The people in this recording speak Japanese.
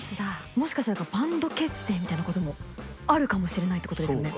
もしかしたらバンド結成みたいなこともあるかもしれないってことですよね？